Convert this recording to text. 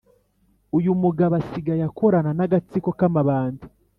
Uyumugabo asigaye akorana nagatsiko kamabandi